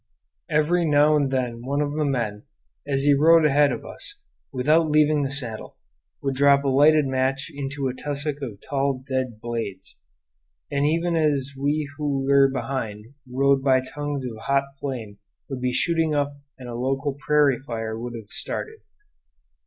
Every now and then one of the men, as he rode ahead of us, without leaving the saddle, would drop a lighted match into a tussock of tall dead blades; and even as we who were behind rode by tongues of hot flame would be shooting up and a local prairie fire would have started.